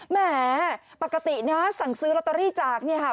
แหมปกตินะสั่งซื้อลอตเตอรี่จากเนี่ยค่ะ